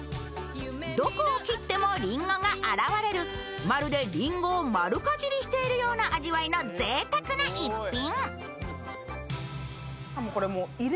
どこを切ってもりんごが現れるまるでりんごを丸かじりしているようなぜいたくな逸品。